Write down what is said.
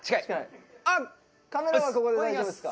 カメラマンここで大丈夫ですか？